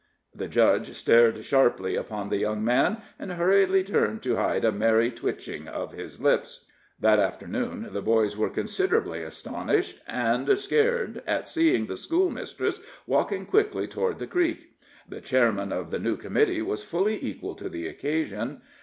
The judge stared sharply upon the young man, and hurriedly turned to hide a merry twitching of his lips. That afternoon the boys were considerably astonished and scared at seeing the schoolmistress walking quickly toward the creek. The chairman of the new committee was fully equal to the occasion.